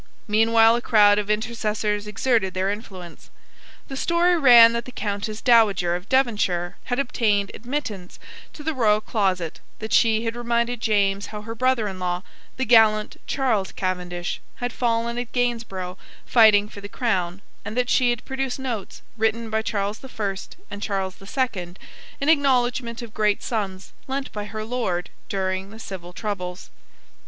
Meanwhile a crowd of intercessors exerted their influence. The story ran that the Countess Dowager of Devonshire had obtained admittance to the royal closet, that she had reminded James how her brother in law, the gallant Charles Cavendish, had fallen at Gainsborough fighting for the crown, and that she had produced notes, written by Charles the First and Charles the Second, in acknowledgment of great sums lent by her Lord during the civil troubles.